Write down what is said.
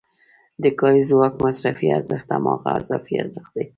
د کاري ځواک مصرفي ارزښت هماغه اضافي ارزښت دی